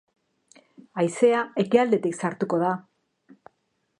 Haizea ekialdetik sartuko da.